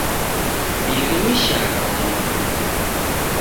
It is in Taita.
Dirimishagha modo.